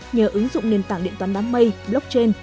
nhờ ứng dụng nền tảng điện toán đám mây blockchain